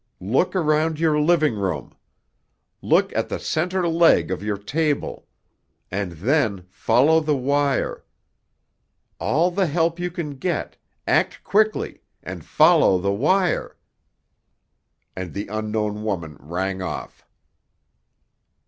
Look around your living room. Look at the center leg of your table. And then—follow the wire! All the help you can get—act quickly—and follow the wire!" And the unknown woman rang off.